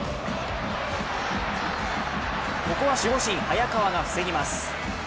ここは守護神・早川が防ぎます。